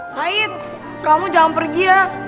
said kamu jangan pergi ya